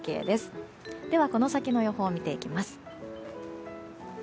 では、この先の予報を見ていきます。